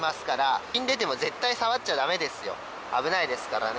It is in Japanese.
危ないですからね。